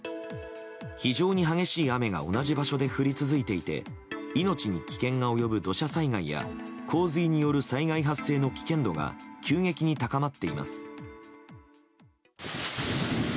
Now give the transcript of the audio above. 非常に激しい雨が同じ場所で降り続いていて命に危険が及ぶ土砂災害や洪水による災害発生の危険度が急激に高まっています。